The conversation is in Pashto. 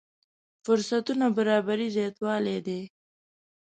فرصتونو برابري زياتوالی دی.